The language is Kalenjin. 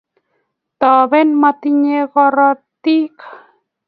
toben, motinye korotik